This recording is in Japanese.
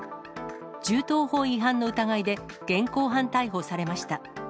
銃刀法違反の疑いで現行犯逮捕されました。